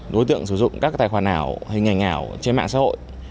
đối tượng sử dụng các tài khoản ảo hay ngành ảo trên mạng xã hội